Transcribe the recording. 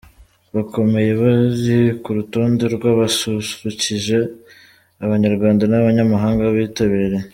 bakomeye bari ku rutonde rw’abasusurukije abanyarwanda n’abanyamahanga bitabiriye